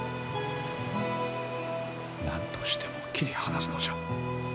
何としても切り離すのじゃ。